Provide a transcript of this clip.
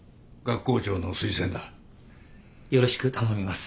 よろしく頼みます。